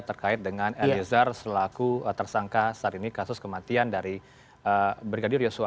terkait dengan eliezer selaku tersangka saat ini kasus kematian dari brigadir yosua